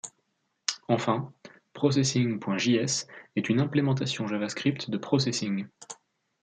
Enfin, Processing.js est une implémentation JavaScript de Processing.